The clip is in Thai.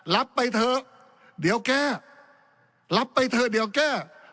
รับไปเถอะเดี๋ยวแก้รับไปเถอะเดี๋ยวแก้